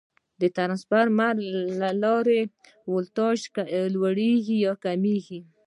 د ترانسفارمر له لارې ولټاژ لوړېږي یا کمېږي.